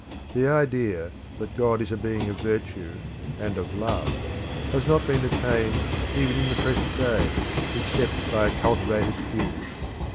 The idea that God is a being of virtue and of love has not been attained even in the present day except by a cultivated few.